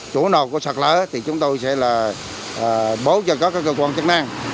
chủ nộp của sạc lở thì chúng tôi sẽ là bố cho các cơ quan chức năng